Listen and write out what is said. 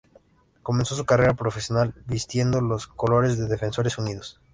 Comenzó su carrera profesional vistiendo los colores de Defensores Unidos.